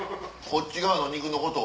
こっち側の肉のこと